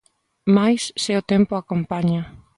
Máis se o tempo acompaña.